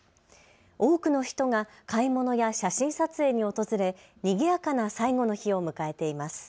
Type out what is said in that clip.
多くの人が買い物や写真撮影に訪れ、にぎやかな最後の日を迎えています。